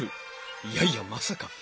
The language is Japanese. いやいやまさか。